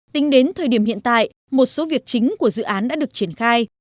tính đến thời điểm hiện tại một số việc chính của dự án đã được triển khai